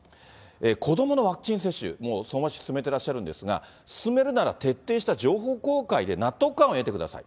子どものワクチン接種、もう相馬市、進めていらっしゃるんですが、進めるなら、徹底した情報公開で、納得感を得てください。